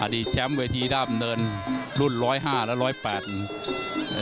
อดีตแชมป์เวทีด้ามเงินรุ่น๑๐๕และ๑๐๘